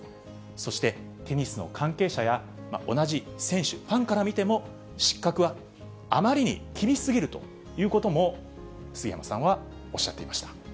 そしてテニスの関係者や同じ選手、ファンから見ても、失格はあまりに厳しすぎるということも、杉山さんはおっしゃっていました。